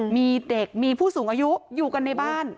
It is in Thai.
มีเด็กมีผู้สูงอายุอยู่กันในบ้าน